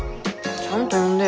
ちゃんと読んでよ。